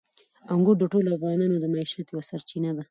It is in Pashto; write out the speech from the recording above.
انګور د ټولو افغانانو د معیشت یوه سرچینه ده.